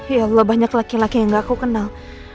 ya allah banyak laki laki yang gak aku kenal